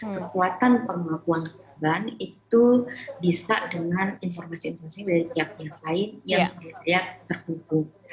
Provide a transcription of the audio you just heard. kekuatan pengakuan korban itu bisa dengan informasi informasi dari pihak pihak lain yang tertutup